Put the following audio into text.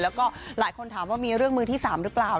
แล้วก็หลายคนถามว่ามีเรื่องมือที่๓หรือเปล่า